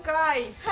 はい。